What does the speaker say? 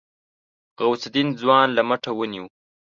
غوث الدين ځوان له مټه ونيو.